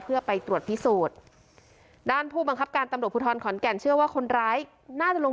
เพื่อไปตรวจพิสูจน์ด้านผู้บังคับการตำรวจภูทรขอนแก่นเชื่อว่าคนร้ายน่าจะลง